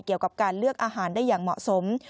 เกี่ยวกับการเลือกอาหารได้อย่างเหมาะสม